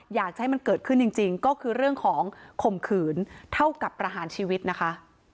อยากจะให้มันเกิดขึ้นจริงก็คือเรื่องของข่มขืนเท่ากับประหารชีวิตนะคะ